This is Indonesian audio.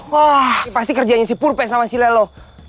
wah pasti kerjanya si purpe sama si lelo